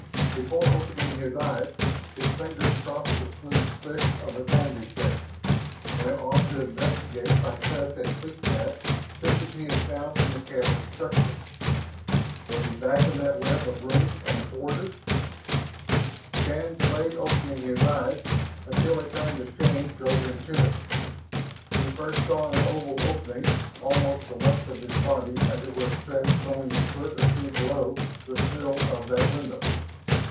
Before opening his eyes, his fingers crossed the smooth slick of a bandage there, went on to investigate by touch a sleep mat such as he had found in the cavern structure. Was he back in that web of rooms and corridors? Shann delayed opening his eyes until a kind of shame drove him to it. He first saw an oval opening almost the length of his body as it was stretched only a foot of two below the sill of that window.